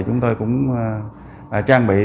chúng tôi cũng trang bị